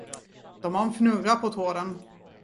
De har en fnurra på tråden.